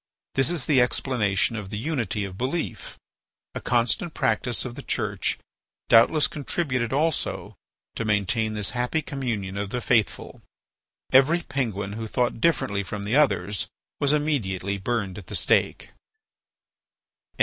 This is the explanation of the unity of belief. A constant practice of the Church doubtless contributed also to maintain this happy communion of the faithful—every Penguin who thought differently from the others was immediately burned at the stake.